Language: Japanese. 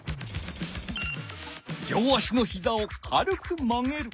両足のひざを軽く曲げる。